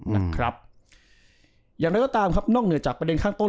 นะครับอย่างไรก็ตามครับนอกเหนือจากประเด็นข้างต้น